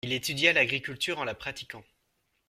Il étudia l'agriculture en la pratiquant.